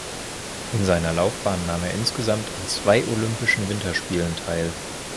In seiner Laufbahn nahm er insgesamt an zwei Olympischen Winterspielen teil.